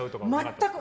全く。